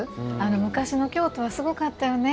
昔の京都はすごかったよね！